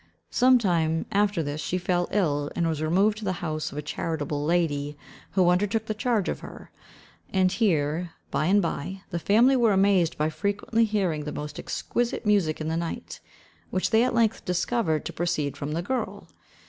Some time after this, she fell ill, and was removed to the house of a charitable lady, who undertook the charge of her; and here, by and by, the family were amazed by frequently hearing the most exquisite music in the night, which they at length discovered to proceed from the girl.